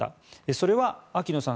それは秋野さん